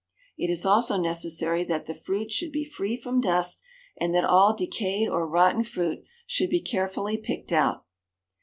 It is also necessary that the fruit should be free from dust, and that all decayed or rotten fruit should be carefully picked out.